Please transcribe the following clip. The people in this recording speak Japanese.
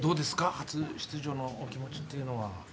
初出場のお気持ちっていうのは。